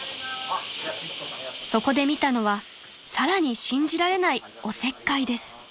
［そこで見たのはさらに信じられないおせっかいです］